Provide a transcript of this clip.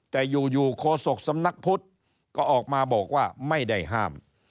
แต่อยู่โคศกสำนักพุทธก็ออกมาบอกว่าไม่ได้ห้าม